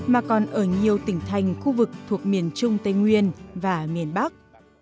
mà còn ở nhiều tỉnh thành khu vực thuộc miền trung tây nguyên và miền bắc